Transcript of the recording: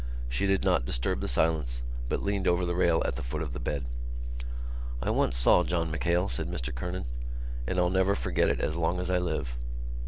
She did not disturb the silence, but leaned over the rail at the foot of the bed. "I once saw John MacHale," said Mr Kernan, "and I'll never forget it as long as I live."